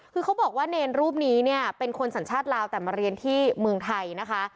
คือเขาบอกว่าเนรรูปนี้เนี่ยเป็นคนสัญชาติลาวแต่มาเรียนที่เมืองไทยนะคะ